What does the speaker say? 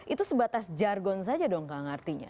itu sebatas jargon saja dong kak ngertinya